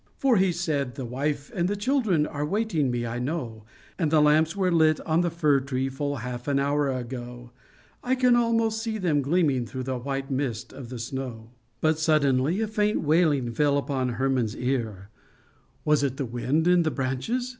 For he said, " The wife and the children are wait ing me, I know, And the lamps were lit on the fir tree full half an hour ago, â I can almost see them gleaming through the white mist of the snow." 138 A CHRISTMAS LEGEND But suddenly a faint wailing fell upon Hermann's ear, â Was it the wind in the branches